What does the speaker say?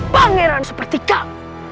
pangeran seperti kau